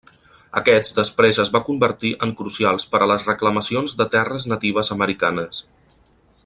Aquests després es va convertir en crucials per a les reclamacions de terres natives americanes.